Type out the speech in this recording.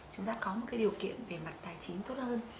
chúng ta có một cái điều kiện về mặt tài chính tốt hơn